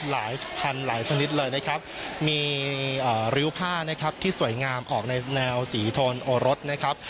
หลายพันหลายชนิดเลยนะครับมีริ้วผ้านะครับที่สวยงามออกในแนวสีโทนโอรสนะครับ